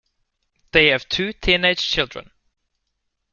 They have two teenage children.